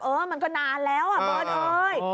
เออมันก็นานแล้วบ๊อนเฮ้ย